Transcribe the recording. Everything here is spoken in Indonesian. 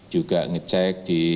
juga ngecek di